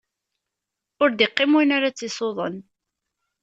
Ur d-iqqim win ar ad tt-isuḍen.